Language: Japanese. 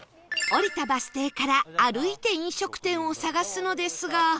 降りたバス停から歩いて飲食店を探すのですが